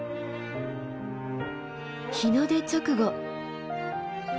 日の出直後